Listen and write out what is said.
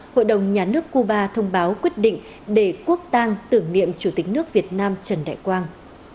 hội đồng nhà nước cuba thông báo quyết định để quốc tàng tưởng niệm chủ tịch nước việt nam trần đại quang